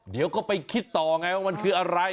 เดี๋ยวก็ไปคิดต่อไงว่ามันคืออะไร